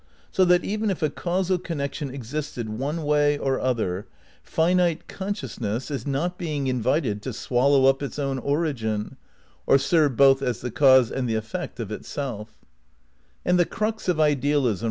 So that even if a causal connec tion existed one way or other, finite consciousness is ^ See Appendix V, p. 319. 264 THE NEW IDEALISM vm not being invited to swallow up its own origin, or serve both as the cause and the effect of itself. And the crux of idesilism.